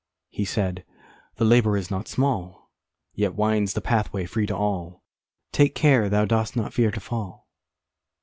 He said, 'The labour is not small; Yet winds the pathway free to all: Take care thou dost not fear to fall!'